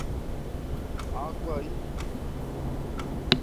Aguaí